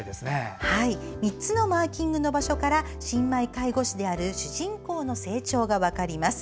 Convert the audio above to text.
３つのマーキングの場所から新米介護士である主人公の成長が分かります。